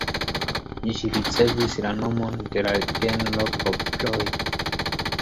Ĝi ricevis la nomon de la genro Poploj.